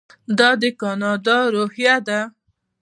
دا د کاناډا روحیه ده.